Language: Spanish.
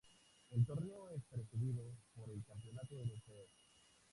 El torneo es precedido por el Campeonato Europeo.